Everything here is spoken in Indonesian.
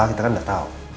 kita kan gak tau